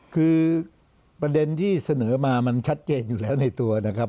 คือประเด็นที่เสนอมามันชัดเจนอยู่แล้วในตัวนะครับ